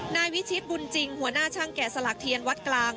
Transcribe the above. นายวิชิตบุญจริงหัวหน้าช่างแกะสลักเทียนวัดกลาง